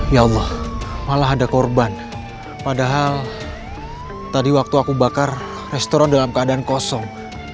ya allah malah ada korban padahal tadi waktu aku bakar restoran dalam keadaan kosong